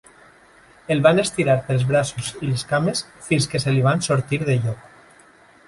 El van estirar pels braços i les cames fins que se li van sortir de lloc.